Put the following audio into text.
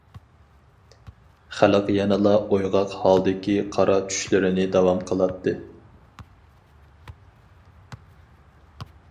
خەلق يەنىلا ئويغاق ھالدىكى قارا چۈشلىرىنى داۋام قىلاتتى.